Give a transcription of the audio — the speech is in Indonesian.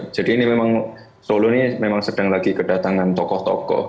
jadi ini memang solo ini memang sedang lagi kedatangan tokoh tokoh